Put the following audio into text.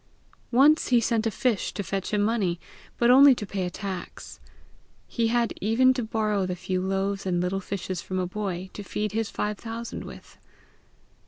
Once he sent a fish to fetch him money, but only to pay a tax. He had even to borrow the few loaves and little fishes from a boy, to feed his five thousand with.